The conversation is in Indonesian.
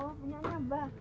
oh punyanya mbak